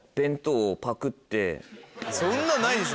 そんなんないです